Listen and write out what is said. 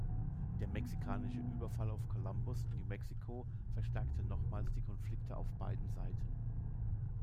Der mexikanische Überfall auf Columbus, New Mexico, verstärkte nochmals die Konflikte auf beiden Seiten.